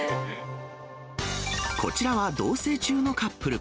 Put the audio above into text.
こちらは同せい中のカップル。